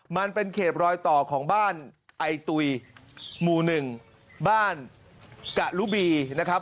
มันเป็นเขตรอยต่อของบ้านไอตุยหมู่๑บ้านกะลุบีนะครับ